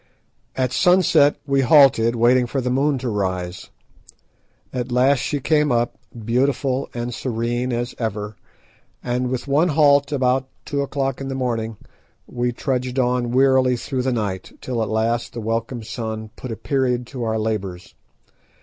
At sunset we halted, waiting for the moon to rise. At last she came up, beautiful and serene as ever, and, with one halt about two o'clock in the morning, we trudged on wearily through the night, till at last the welcome sun put a period to our labours.